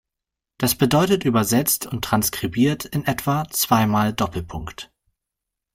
Das bedeutet übersetzt und transkribiert in etwa „zweimal Doppelpunkt“.